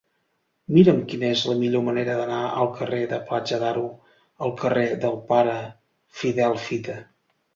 Mira'm quina és la millor manera d'anar del carrer de Platja d'Aro al carrer del Pare Fidel Fita.